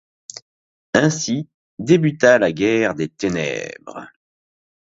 Ainsi débuta La Guerre des Ténèbres…